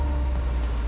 saya akan mencari dia